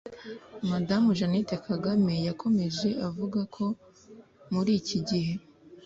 Madamu Jeannette Kagame yakomeje avuga ko muri iki gihe